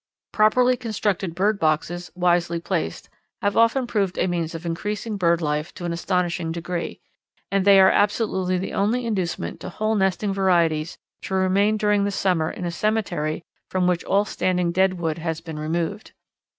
Properly constructed bird boxes, wisely placed, have often proved a means of increasing bird life to an astonishing degree; and they are absolutely the only inducement to hole nesting varieties to remain during the summer in a cemetery from which all standing dead wood has been removed.